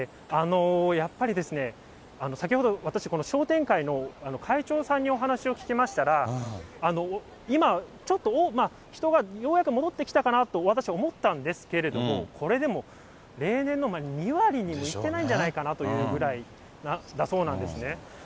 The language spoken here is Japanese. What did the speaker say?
やっぱりですね、先ほど私、この商店会の会長さんにお話を聞きましたら、今、ちょっと人がようやく戻ってきたかなと、私思ったんですけれども、これでも例年の２割にもいってないんじゃないかっていうぐらいだそうなんですね。